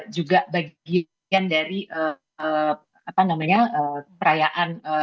juga bagian dari perayaan